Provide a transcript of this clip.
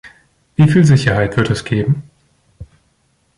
Wie viel Sicherheit wird es geben?